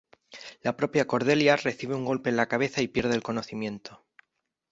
La propia Cordelia recibe un golpe en la cabeza y pierde el conocimiento.